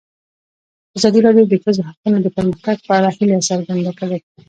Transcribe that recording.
ازادي راډیو د د ښځو حقونه د پرمختګ په اړه هیله څرګنده کړې.